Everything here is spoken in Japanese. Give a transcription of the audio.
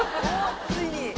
ついに。